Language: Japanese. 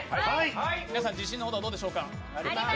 皆さん、自信のほどはどうでしょうか？